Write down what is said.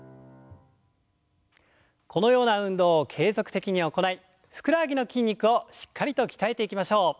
このような運動を継続的に行いふくらはぎの筋肉をしっかりと鍛えていきましょう。